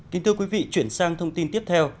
kính thưa quý vị chuyển sang thông tin tiếp theo